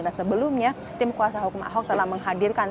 dan sebelumnya tim kuasa hukum ahok telah menghadirkan